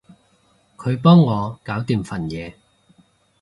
佢幫我搞掂份嘢